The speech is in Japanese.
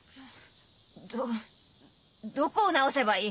どどこを直せばいい？